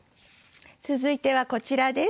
続いてはこちらです。